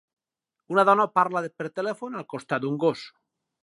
Una dona parla per telèfon al costat d'un gos.